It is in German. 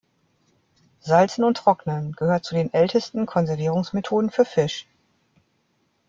Salzen und Trocknen gehört zu den ältesten Konservierungsmethoden für Fisch.